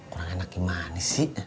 kurang enak gimana sih